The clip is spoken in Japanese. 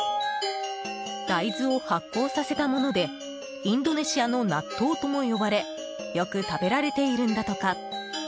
大豆を発酵させたものでインドネシアの納豆とも呼ばれよく食べられているんだとか。